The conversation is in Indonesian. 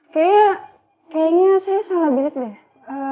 kayaknya kayaknya saya salah bilik deh